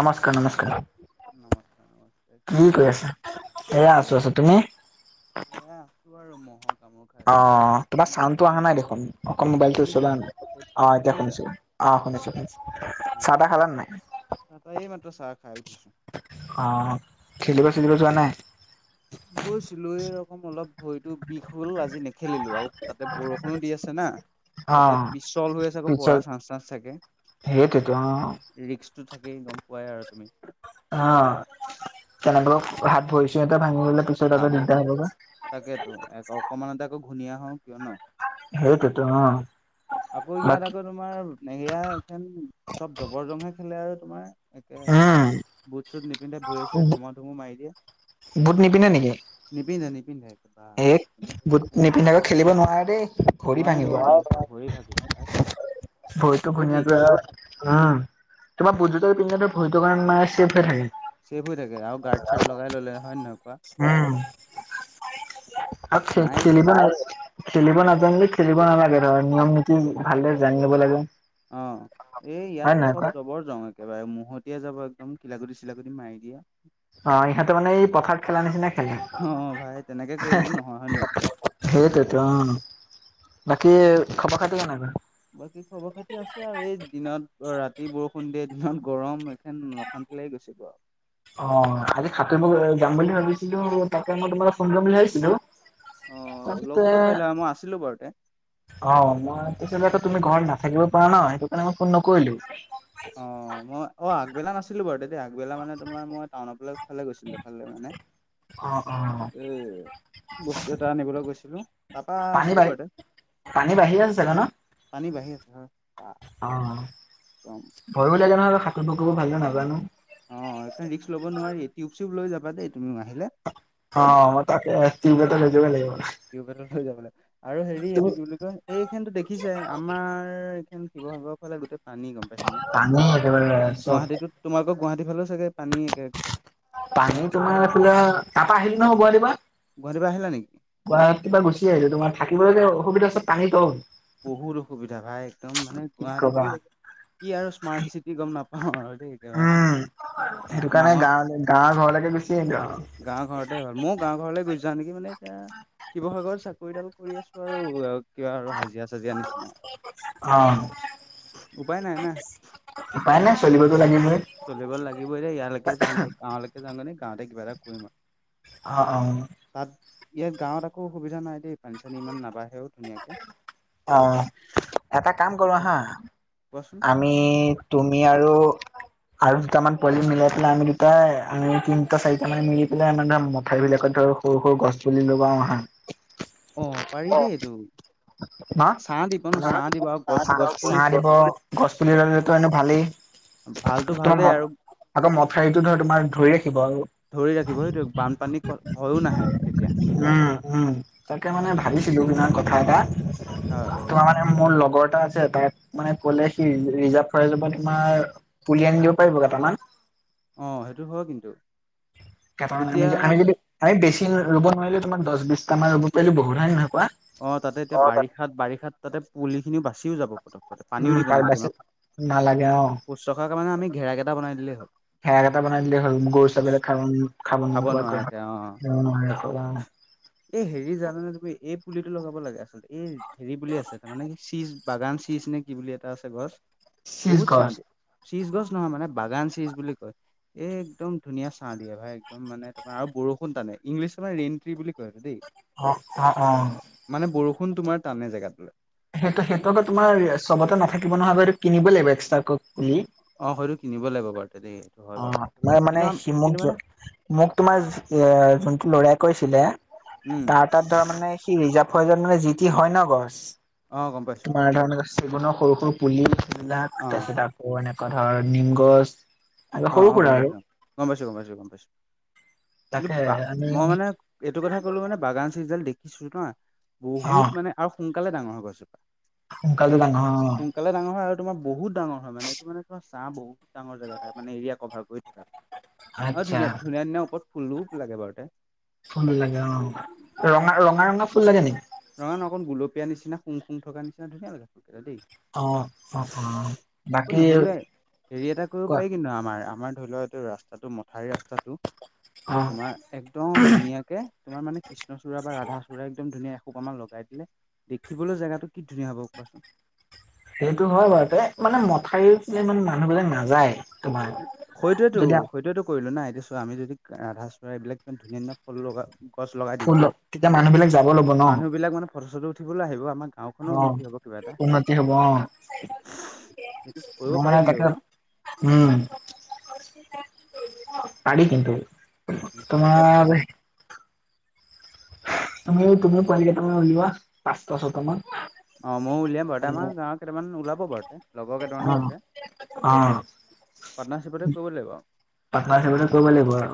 নমস্কাৰ, নমস্কাৰ। নমস্কাৰ নমস্কাৰ। কি কৰি আছা? এয়া আছো আছো। তুমি? এয়া আছো আৰু মহক অঁহ' তোমাৰ চাউণ্ডটো অহা নাই দেখোন, অকমান মোবাইলটো শুনিছা? ওচৰলে অনা, এ অঁ' এতিয়া শুনিছা শুনিছোঁ। অঁহ' শুনিছো শুনিছো। চাহ-তাহ খালানে নাই? চাহ-তাহ এই মাত্ৰ চাহ খাই উঠিছো। অঁ' খেলিব চেলিব যোৱা নাই? গৈছিলো, এই ৰকম অলপ ভৰিতো বিষ হ'ল আজি নেখে লিলো আৰু তাতে বৰষুণো দি আছে না। অ তাতে পিছল হৈ আছে আকৌ পৰাৰ চাঞ্চ টাঞ্চ থাকে। সেইটোৱেইটো, অঁ'। ৰিক্সটো থাকেই গম পোৱাই আৰু তুমি। অঁহ' কেনেকৈ হাত ভৰি ছৰি এটা ভাঙি ল'লে পিছত আকৌ দিগদাৰ ভাগকো, হ'বগৈ তাকেতো এক অকমানতে আকৌ ঘূণীয়া হওঁ কিয় ন'। সেইটোৱেইটো, অঁ। আকৌ ইয়াত আকৌ তোমাৰ নেহেৰীয়া এইখন চ'ব জবৰ জংহে খেলে আৰু তোমাৰ। একে বুট, বুট-চুট নিপিন্ধে ভৰিয়ে উম চৰিয়ে ধমা ধুমু মাৰি দিয়ে। বুট নিপিন্ধে নিপিন্ধে। বা হেহ, বুট নিপিন্ধাকৈ খেলিব নোৱাৰা দেই ভৰি নোৱাৰি ভাঙিব। নোৱাৰি ভৰি ভাগিব ভাই ভৰিটো বহুত ঘূনীয়া ৰিক্স কৰি আৰু। উমঁ' তোমাৰ বুট জোতাজোৰ পিন্ধিলে তোৰ ভৰিটো অকমান মানে চেফ হৈ থাকে। ছেফ হৈ থাকে আৰু গাৰ্ড চাৰ্ড লগাই ল'লে হয়নে নহয়। কোৱা উমঁ' আৰু নাই ইয়াত খে-খেলিব ন [unintelligible] খেলিব নাজানিলে খেলিব নালাগে। ধৰ নিয়ম নীতি ভালদৰে জানি ল'ব লাগে। অঁ' এই হয় ইয়াত নহয় চ'ব কোৱা? জবৰ জং একেবাৰে মহতিয়াই যাব একদম কিলাকুটি-চিলাকুটি মাৰি দিয়ে। হয়, ইহঁতে মানে এই পথাৰত খেলা নিচিনা খেলে, অ ভাই তেনেকে হে কৰিলেতো হে। নহয় হয় নহয় কোৱা সেইটোৱেতো অঁ' বাকী খবৰ খাতি কেনেকুৱা? বাকী খবৰ খাতি আছে আৰু এই দিনত ৰাতি বৰষুণ দিয়ে দিনত গৰম একে নক অশান্তি লাগি গৈছে গে আৰু। অঁ' আজি সাতুৰিব অ' যাম বুলি ভাবিছিলো তাকে মই তোমালৈ ফোন কৰিম বুলি ভাবিছিলোঁ। অ', লগ তাপাছতে ধৰিব পাৰিলা হয় মই আছিলোঁ বাৰুতে অঁ' মই তেতিয়াহ'লে আকৌ তুমি ঘৰত নাথাকিব পাৰা ন সেইটো কাৰণে মই ফোন নকৰিলো। অঁ' মই অহ' আগবেলা নাছি ছিলো বাৰু, তেতিয়া আগবেল মানে তোমাৰ মই টাউনৰ ফালে গৈছিলো ফালে মানে। অহ'-অহ'। এই বস্তু এটা আনিবলৈ গৈছিলোঁ। তাৰপা পানী আছিলোঁ বাঢ়ি, বাৰুতে পানী বাঢ়ি আছে চাগে ন'? পানী বাঢ়ি আছে হয়। অ একদম ভয়ো লাগে নহয় সাতুৰিব কৰিব ভালকে নাজানো। অ একে ৰিস্ক লব নোৱাৰি, টিউব চিউব লৈ যাবা দেই, তুমিও আহিলে। অ তাকে টিউব এটা লৈ যাব লাগিব। টিউব এটা লৈ যাব লাগিব আৰু হেৰি তুমি এইটো কি বুলি কয়। এই খেনতো দেখিছাই, আমাৰ এইখন শিৱসাগৰৰ ফালে গোটেই পানী, গম পাইছা নে পানী একেবাৰে আৰু চব গুৱাহাটীত তোমালোকৰ গুৱাহাটীৰ ফালেও চাগে পানী একে গোটেই? পানী তোমাৰ এইফালে, তাপা আহিলো নহয় গুৱাহাটী পা। গুৱাহাটীৰ পা আহিলা নি? গুৱাহাটী পা গুচি আহিলো, তোমাৰ থাকিব যে অসুবিধা হৈছে পানী তল। বহুত অসুবিধা ভাই, একদম মানে কি গুৱাহাটীতো। কবা। কি আৰু স্মাৰ্ট চিটি গম নাপাওঁ আৰু দেই। একেবাৰে না উম' সেইটো কাৰণে নামত গাঁৱ গাঁৱৰ ঘৰলৈকে গুচি আহিলো আৰু। গাওঁ ঘৰতে ভাল, মইও গাওঁ ঘৰলে গুচি যাওঁ নেকি মানে। এতিয়া শিৱসাগৰত চাকৰিডাল কৰি আছোঁ আৰু কিবা আৰু হাজিৰা চাজিৰা নিচিনা অ। উপায় নাই না উপায় নাই চলিবতো লাগিবই। চলিব লাগিবই এ ইয়ালেকে যাওঁগৈ, গাঁৱলৈকে যাওঁগৈ নি, গাঁৱতে কিবা এটা কৰিম আৰু। অ' অ'। তাত ইয়াত গাঁৱত একো অসুবিধা নাই দেই, পানী চানী ইমান নাবাঢ়েও ধুনীয়াকে। অ এটা কাম কৰো আহা। কোৱাচোন। আমি তুমি আৰু আৰু দুটামান পোৱালি মিলাই পেলাই আমি দুটা আমি তিনিটা চাৰিটা মান মিলি পেলাই, মানে মথাউৰি বিলাকত ধৰ সৰু সৰু গছ পুলি লগাও আহা। অ পাৰি দেই এইটো। ছাঁ দিব ন ছাঁ দিব আৰু গছ গছ পুলি ছাহ দিব, গছ পুলি ৰুলেটো এনেই ভালেই। ভালতো তোমাৰ ভালেই মদ আৰু আকৌ মথাউৰিটো ধৰ তোমাৰ ধৰি ৰাখিব আৰু। ধৰি ৰাখিব সেইটোয়ে, বানপানী ভয়ো নাহে তেতিয়া। উম উম মানে ভাবিছিলো, সেইদিনাখন কথা এটা। হয় তোমাৰ মানে মোৰ লগৰ এটা আছে, তাক মানে কলে সি ৰিজাৰ্ভ ফৰেষ্টৰ পৰা তোমাৰ পুলি আনি দিব পাৰিব কেইটামান। অ সেইটো হয় কিন্তু। কেটামান আমি, তেতিয়া আমি যদি আমি বেছি ৰুব নোৱাৰিলেও, তোমাৰ দহ বিশছটা মান ৰুব পাৰিলেও বহুত হয় নে নহয় কোৱা? অ তাতে এতিয়া বাৰিষাত বাৰিষাত, তাতে পুলি খিনিও বাচিও যাব, পটকতে উম পানীও দিব তাৰ নালাগে বাছি ইমান। নালাগে অ। শুশ্ৰূষা কাৰণে আমি ঘেৰাকেইটা বনাই দিলেই হ'ল। ঘেৰাকেইটা বনাই দিলে হল, গৰু, খোজ ছাগলীয়ে খাব, খাব নোপোৱাকৈ, নোৱাৰা। এ হেৰি জানানে তুমি, এই পুলিটো লগাব লাগে, আচলতে এই হেৰি পুলি আছে, তাৰ মানে কি চিজ বাগান চিছ নে কি বুলি এটা আছে গছ, চিজ বহুত ছাহঁ গছ দিয়ে। চিজ গছ নহয় মানে, বাগান চিজ বুলি কয়। এই একদম ধুনীয়া চাহ দিয়ে ভাই, একদম মানে তোমাৰ আৰু বৰষুণ টানে, ইংলিছত মানে ৰেইন ট্ৰি বুলি কয় দেই। অ' অ' অ'। মানে বৰষুণ তোমাৰ টানে জেগাটোলে। সেইটো সেইটো আক তোমাৰ চবতে নাথাকিব নহয় ব এইটো কিনিব লাগিব এক্সট্ৰাকৈ পুলি। অ হয়তো কিনিব লাগিব বাৰুতে দেই। হয় অ বাৰু তাৰ মানে কিন্তু কিন্তু মানে সিমন্ত্ৰ মোক তোমাৰ এ যোনটো লৰাই কৈছিলে, উম, তাৰ তাত তাৰমানে সি ৰিজাপ ফয়জত মানে জিটি হয় ন গছ, অ', গম পাইছো তোমাৰ ধৰণে চেগুনৰ সৰু সৰু পুলিবিলাক, অ', তাৰছত আকৌ এনেকুৱা ধৰ নিম গছ। আৰু অ সৰু অ সুৰা গম আৰু পাইছো। গম পাইছো, গম পাইছো, গম পাইছো। কিন্তু তাকে বা আমি মই মানে এইটো কথা কলো মানে বাগান চিৰিজ ডাল দেখিছো ন, অ বহুত মানে আৰু সোনকালে ডাঙৰ হৈ গছজোপা। সোন সোনকালে ডাঙৰ হয় অ। সোনকালে ডাঙৰ হয় আৰু তোমাৰ বহুত ডাঙৰ হয় মানে এইটো মানে তোমাৰ চাঁহ বহুত ডাঙৰ জেগা টাইপ। মানে এৰিয়া কভাৰ কৰি থাকে আৰু। আৰু আচ্ছা ধুনীয়া ধুনীয়া ধুনীয়া ওপৰত ফুলো লাগে বাৰুতে। ফুল লাগে অ। ৰঙা ৰঙা ৰঙা ফুল লাগে নেকি? নহয় ন অক গোলপীয়া নিচনা শুং শুং থকা নিচিনা ধুনীয়া লাগে ফুল কেইপাহ দেই। অ অ অ। অ', বাকী নহ'লে হেৰি এটা কৰিব কোৱা পাৰি কিন্তু আমাৰ, আমাৰ ধৰি লোৱা এইটো ৰাস্তাটো মথাউ ৰাস্তাটো অ' তোমাৰ একদম ধুনীয়াকে তোমাৰ মানে কৃষ্ণচূড়া বা ৰাধাচূড়া একদম ধুনীয়া অকমান লগাই দিলে, দেখিবলৈ জেগাটো কি ধুনীয়া হ'ব কোৱাচোন? সেইটো হয় বাৰু তে। মানে মথাউৰি ফালে ইমান মানুহবিলাক নাযায়। তোমাৰ হয়টোয়েতো, যদি হয়টোয়েতো কৰিলো না এতিয়া। চোৱা আমি যদি ৰাধা চূড়া এই বিলাক ইমান ধুনীয়া ধুনীয়া ফুল লগা গছ লগাই দিম ফুল দেই। তেতিয়া মানুহ বিলাক যাব ল'ব ন মানুহ বিলাক মানে ফটো চটো উঠিবলৈ আহিব আমাক গাওঁখনো অ' উন্নতি হ'ব কিবা এটা। উন্নতি হ'ব অ' সেইটো কৰিব মই পাৰি মানে কিন্তু তাকে ন? উম। পাৰি কিন্তু। তাকে তোমাৰ ভাবিছো তুমি তুমি পোৱালি কেইটামান উলিওৱা, পাঁচটা ছয়টা মান। অ মইয়ো উলিয়াম বাৰুতে আমাৰ গাঁৱ কেইটামান ওলাব বাৰুতে। লগৰকেইটা মানো অ' আছে। অ' পাৰ্টনাৰশ্বিপতে কৰিব লাগিব। পাৰ্টনাৰ শ্বিপতে কৰিব লাগিব আৰু।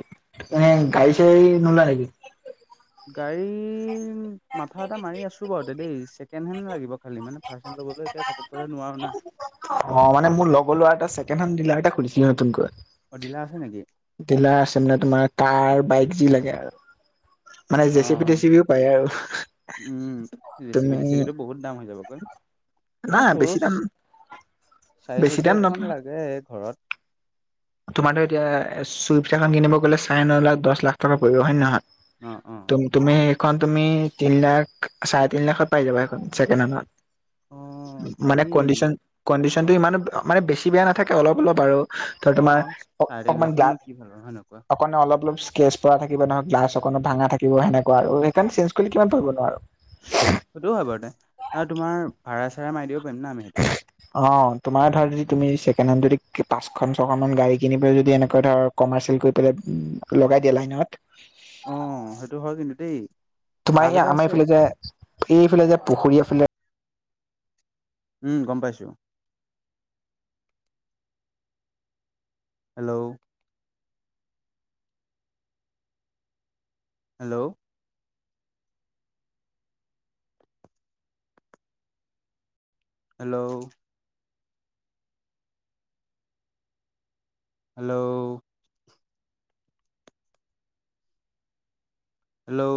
উম গাড়ী চাড়ী নোলোৱা নেকি? গাড়ী মাথা এটা মাৰি আছো বাৰুতে দেই, ছেকেণ্ড হেণ্ড লাগিব খালি মানে। ফাৰ্চহেন ল'বলৈ এতিয়া ঘপককৈ নোৱাৰো না। অ মানে মোৰ লগৰ লৰা এটা ছেকেণ্ড হেণ্ড ডিলাৰ এটা খুুলিছিল নতুনকৈ। অ ডিলাৰ আছে নেকি? ডিলাৰ আছে মানে তোমাৰ কাৰ, বাইক যি লাগে আৰু। মানে অ জেচিপি টেচিপিও পায় আৰু। উম, জেচিপি তুমি টেচিপিটো বহুত দাম হৈ যাব। এনেই নাই বেছি সৰুচ দাম বেছি দাম নপ চাৰিচুকীয়াখন লাগে ঘৰত। তোমাৰতো এতিয়া চুইপ এখন কিনিব গ'লে চাৰে ন লাখ দহ লাখ টকা পৰিব হয় নে নহয়? অ অ। তুমি সেইখন তুমি তিন লাখ, চাৰে তিন লাখত পাই যাবা সেইখন ছেকেণ্ড হেণ্ড খন। অ মানে পাৰি কণ্ডিশ্বন, কণ্ডিশ্বনতটো ইমান মানে বেছি বেয়া নাথাকে অলপ অলপ আৰু। ধৰ অ তোমাৰ চাৰে তিন লাখতনো কি ভাল হয়, হয় নহয় কোৱা? অকন অলপ অলপ স্কেচ পৰা থাকিব ন, গ্লাছ অকণো ভাঙা থাকিব সেনেকুৱা আৰু। সেইকন চ্ণ্জে কৰিলে কিমান পৰিব নো আৰু। সেইটোও হয় বাৰুতে। আৰু তোমাৰ ভাড়া চাড়া মাৰি দিব পাৰিম ন আমি সেইটো। অ। তোমাৰ ধৰ যদি তুমি ছেকেণ্ড হেণ্ড যদি পাঁচখন, ছয়খন মান গাড়ী কিনি পাই যদি এনেকুৱা ধৰক কমাৰ্চিয়েল কৰি পেলাই লগাই দিয়ে লাইনত। অ সেইটো হয় কিন্তু দেই তোমাৰ লাভ সেই এটা আমাৰ আছে ফালে যে, এইফালে যে পুখুৰী এফালে উম, গম পাইছোঁ। Hello. Hello. Hello. Hello. Hello.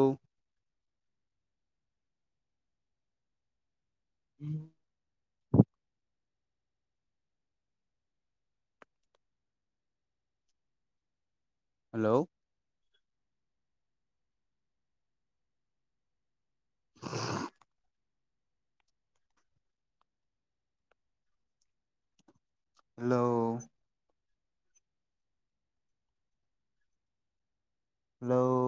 উম। হেল্ল'। [unintelligible] হেল্ল'। হেল্ল'।